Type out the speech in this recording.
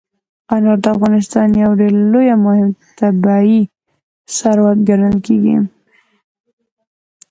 انار د افغانستان یو ډېر لوی او مهم طبعي ثروت ګڼل کېږي.